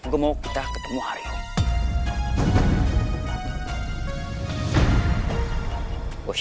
gue mau kita ketemu hari ini